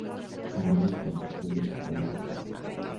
Al año siguiente fue diputado nacional.